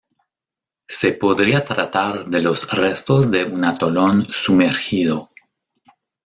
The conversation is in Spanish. Se podría tratar de los restos de un atolón sumergido.